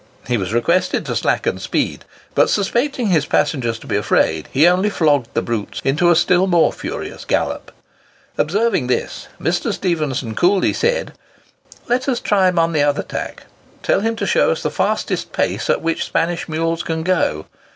He was requested to slacken speed; but suspecting his passengers to be afraid, he only flogged the brutes into a still more furious gallop. Observing this, Mr. Stephenson coolly said, "Let us try him on the other tack; tell him to show us the fastest pace at which Spanish mules can go."